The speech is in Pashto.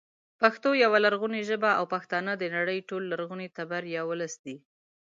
پښتو يوه لرغونې ژبه او پښتانه د نړۍ یو لرغونی تبر یا ولس دی